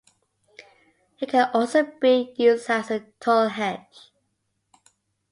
It can also be used as a tall hedge.